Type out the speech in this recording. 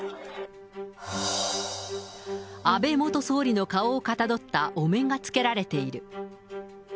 安倍元総理の顔をかたどったお面がつけられている。